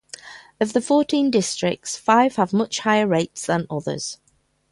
Of the fourteen districts, five have much higher rates than others.